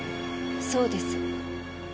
そうです。